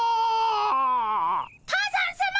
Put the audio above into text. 多山さま